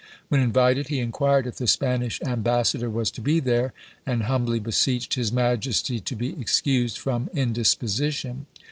When invited, he inquired if the Spanish ambassador was to be there? and humbly beseeched his majesty to be excused, from indisposition.